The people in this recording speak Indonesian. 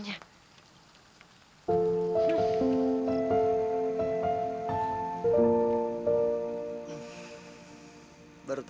nanti kita berdua sedih